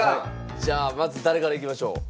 じゃあまず誰からいきましょう？